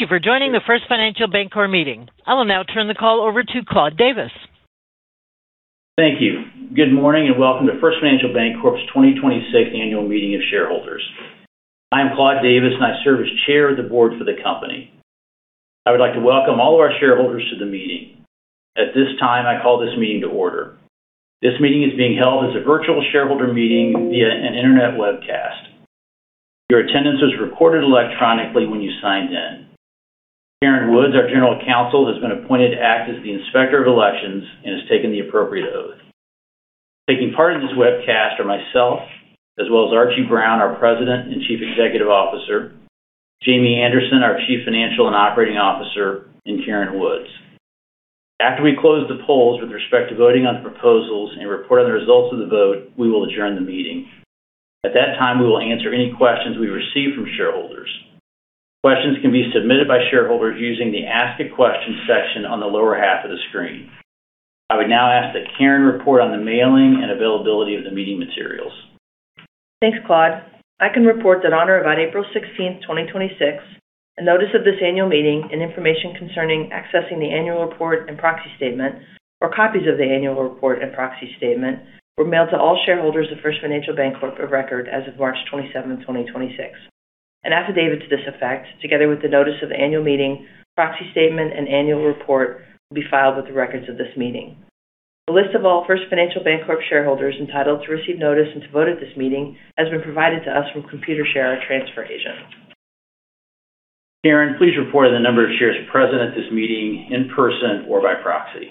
Thank you for joining the First Financial Bancorp meeting. I will now turn the call over to Claude Davis. Thank you. Good morning, and welcome to First Financial Bancorp's 2026 Annual Meeting of Shareholders. I am Claude Davis, and I serve as Chair of the Board for the company. I would like to welcome all of our shareholders to the meeting. At this time, I call this meeting to order. This meeting is being held as a virtual shareholder meeting via an internet webcast. Your attendance was recorded electronically when you signed in. Karen Woods, our General Counsel, has been appointed to act as the Inspector of Elections and has taken the appropriate oath. Taking part in this webcast are myself, as well as Archie Brown, our President and Chief Executive Officer, Jamie Anderson, our Chief Financial and Operating Officer, and Karen Woods. After we close the polls with respect to voting on proposals and report on the results of the vote, we will adjourn the meeting. At that time, we will answer any questions we receive from shareholders. Questions can be submitted by shareholders using the Ask a Question section on the lower half of the screen. I would now ask that Karen report on the mailing and availability of the meeting materials. Thanks, Claude. I can report that on or about April 16th, 2026, a notice of this annual meeting and information concerning accessing the annual report and proxy statement, or copies of the annual report and proxy statement, were mailed to all shareholders of First Financial Bancorp of record as of March 27th, 2026. An affidavit to this effect, together with the notice of the annual meeting, proxy statement, and annual report, will be filed with the records of this meeting. A list of all First Financial Bancorp shareholders entitled to receive notice and to vote at this meeting has been provided to us from Computershare, our transfer agent. Karen, please report on the number of shares present at this meeting in person or by proxy.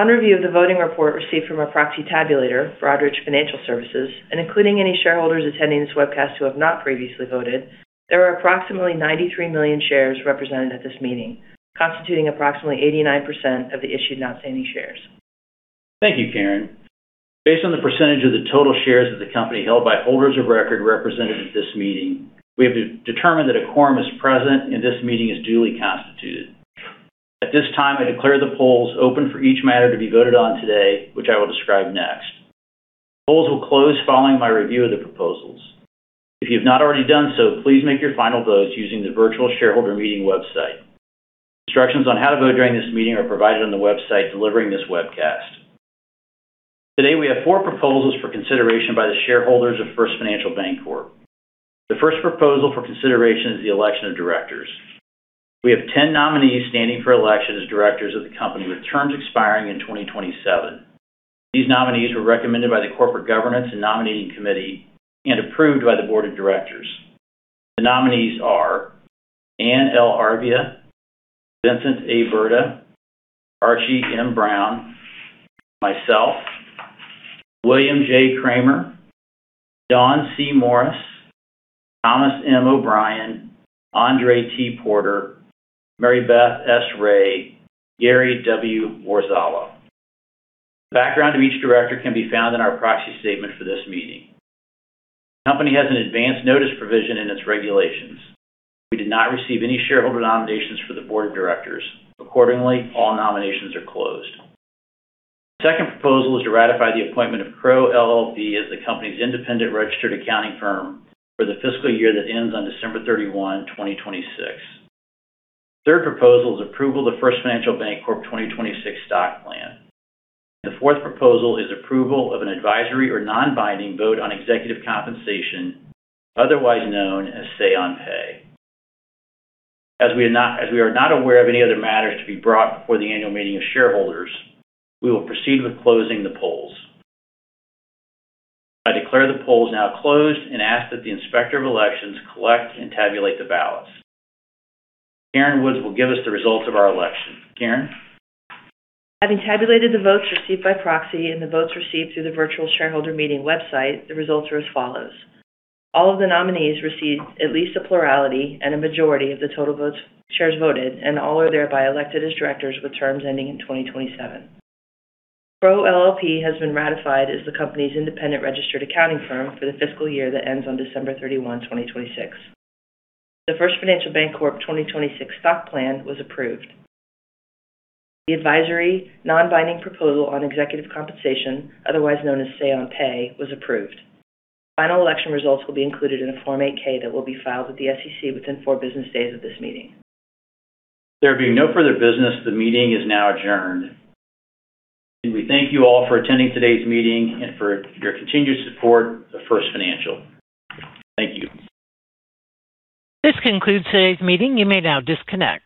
On review of the voting report received from our proxy tabulator, Broadridge Financial Solutions, including any shareholders attending this webcast who have not previously voted, there are approximately 93 million shares represented at this meeting, constituting approximately 89% of the issued and outstanding shares. Thank you, Karen. Based on the percentage of the total shares of the company held by holders of record represented at this meeting, we have determined that a quorum is present and this meeting is duly constituted. At this time, I declare the polls open for each matter to be voted on today, which I will describe next. The polls will close following my review of the proposals. If you have not already done so, please make your final votes using the virtual shareholder meeting website. Instructions on how to vote during this meeting are provided on the website delivering this webcast. Today, we have four proposals for consideration by the shareholders of First Financial Bancorp. The first proposal for consideration is the election of directors. We have 10 nominees standing for election as directors of the company with terms expiring in 2027. These nominees were recommended by the Corporate Governance and Nominating Committee and approved by the Board of Directors. The nominees are Anne L. Arvia, Vincent A. Berta, Archie M. Brown, myself, William J. Kramer, Dawn C. Morris, Thomas M. O'Brien, Andre T. Porter, Maribeth S. Rahe, Gary W. Warzala. The background of each director can be found in our proxy statement for this meeting. The company has an advance notice provision in its regulations. We did not receive any shareholder nominations for the board of directors. Accordingly, all nominations are closed. The second proposal is to ratify the appointment of Crowe LLP as the company's independent registered accounting firm for the fiscal year that ends on December 31st, 2026. The third proposal is approval of First Financial Bancorp 2026 stock plan. The fourth proposal is approval of an advisory or non-binding vote on executive compensation, otherwise known as say on pay. As we are not aware of any other matters to be brought before the annual meeting of shareholders, we will proceed with closing the polls. I declare the polls now closed and ask that the Inspector of Elections collect and tabulate the ballots. Karen Woods will give us the results of our election. Karen? Having tabulated the votes received by proxy and the votes received through the virtual shareholder meeting website, the results are as follows. All of the nominees received at least a plurality and a majority of the total shares voted, and all are thereby elected as directors with terms ending in 2027. Crowe LLP has been ratified as the company's independent registered accounting firm for the fiscal year that ends on December 31st, 2026. The First Financial Bancorp 2026 stock plan was approved. The advisory non-binding proposal on executive compensation, otherwise known as say on pay, was approved. Final election results will be included in the Form 8-K that will be filed with the SEC within four business days of this meeting. There being no further business, the meeting is now adjourned. We thank you all for attending today's meeting and for your continued support of First Financial. Thank you. This concludes today's meeting. You may now disconnect.